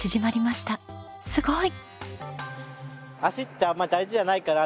すごい！